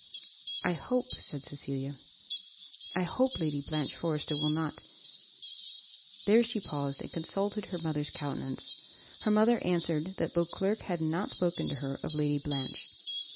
"I hope," said Cecilia, "I hope Lady Blanche Forrester will not " there she paused, and consulted her mother's countenance; her mother answered that Beauclerc had not spoken to her of Lady Blanche.